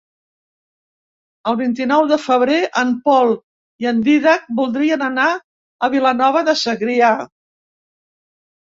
El vint-i-nou de febrer en Pol i en Dídac voldrien anar a Vilanova de Segrià.